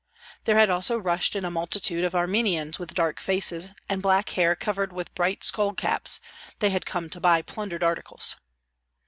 There had also rushed in a multitude of Armenians with dark faces, and black hair covered with bright skull caps; they had come to buy plundered articles.